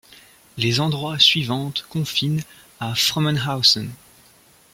Les endroits suivantes confinent à Frommenhausen.